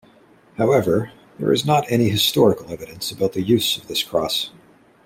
However, there is not any historical evidence about the use of this cross.